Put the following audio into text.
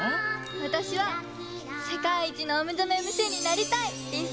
わたしは「世界一のおめざめＭＣになりたい！」です。